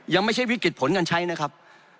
ยังไม่ใช่วิกฤตผลการใช้นะครับ